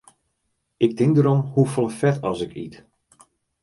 Ik tink derom hoefolle fet as ik yt.